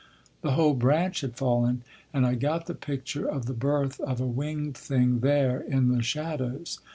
The whole branch had fallen—and I got the picture of the birth of a winged thing there in the shadows.